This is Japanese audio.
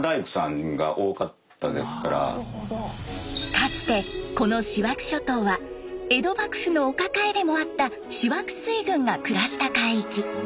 かつてこの塩飽諸島は江戸幕府のお抱えでもあった塩飽水軍が暮らした海域。